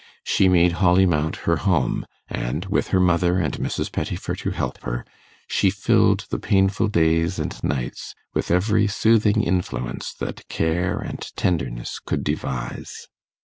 She made Holly Mount her home, and, with her mother and Mrs. Pettifer to help her, she filled the painful days and nights with every soothing influence that care and tenderness could devise.